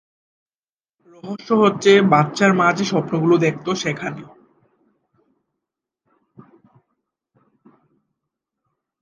রহস্য হচ্ছে বাচ্চার মা যে-স্বপ্নগুলি দেখত সেখানে।